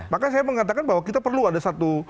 maka saya mengatakan bahwa kita perlu ada satu